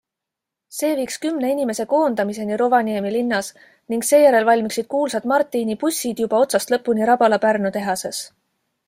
See viiks kümne inimese koondamiseni Rovaniemi linnas ning seejärel valmiksid kuulsad Marttiini pussid juba otsast lõpuni Rapala Pärnu tehases.